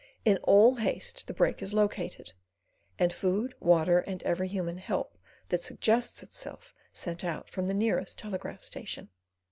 In all haste the break is located, and food, water, and every human help that suggests itself sent out from the nearest telegraph station.